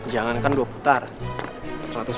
jangankan dua putaran